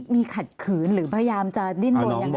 มีขัดขืนหรือพยายามจะดิ้นบนอย่างไหนบ้างไหม